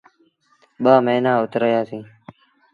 ٻآ موهيݩآن اُت رهيآ سيٚݩ۔